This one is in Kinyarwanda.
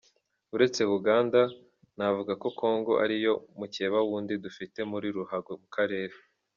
Uretse Uganda, navuga ko Congo ariyo mukeba wundi dufite muri ruhago mu Karere.